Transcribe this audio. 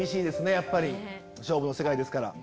やっぱり勝負の世界ですから。